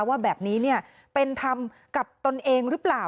ว่าแบบนี้เป็นธรรมกับตนเองหรือเปล่า